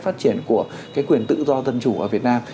phát triển của quyền tự do dân chủ ở việt nam